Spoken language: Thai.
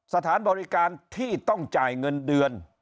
สถานบริการที่ต้องจ่ายเงินเดือน